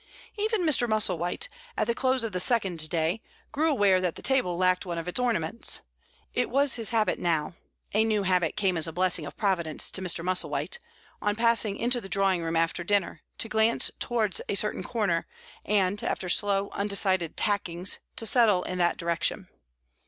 Even Mr. Musselwhite, at the close of the second day, grew aware that the table lacked one of its ornaments. It was his habit now a new habit came as a blessing of Providence to Mr. Musselwhite on passing into the drawing room after dinner, to glance towards a certain corner, and, after slow, undecided "tackings," to settle in that direction.